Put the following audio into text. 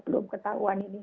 belum ketahuan ini